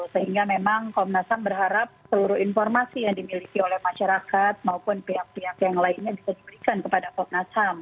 sehingga memang komnas ham berharap seluruh informasi yang dimiliki oleh masyarakat maupun pihak pihak yang lainnya bisa diberikan kepada komnas ham